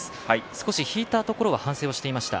少し引いたところを反省していました。